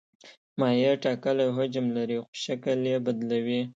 مایع ټاکلی حجم لري خو شکل یې بدلوي.